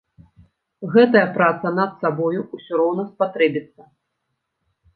Гэтая праца над сабою ўсё роўна спатрэбіцца.